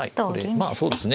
まあそうですね。